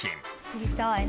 知りたい。